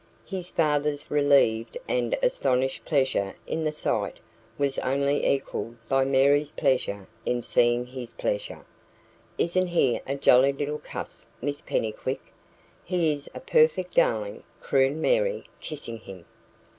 His father's relieved and astonished pleasure in the sight was only equalled by Mary's pleasure in seeing his pleasure. "Isn't he a jolly little cuss, Miss Pennycuick?" "He is a perfect darling," crooned Mary, kissing him.